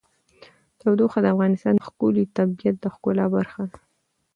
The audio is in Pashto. تودوخه د افغانستان د ښکلي طبیعت د ښکلا برخه ده.